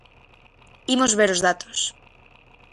Imos ver os datos.